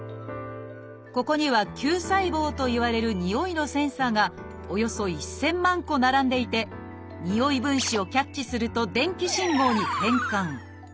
ここには「嗅細胞」といわれるにおいのセンサーがおよそ１，０００万個並んでいてにおい分子をキャッチすると電気信号に変換。